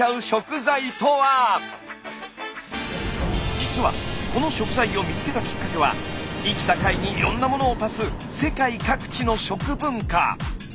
実はこの食材を見つけたきっかけは生きた貝にいろんなものを足す世界各地の食文化。